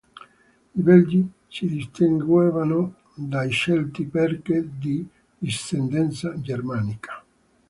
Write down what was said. I Belgi si distinguevano dai Celti perché di discendenza germanica.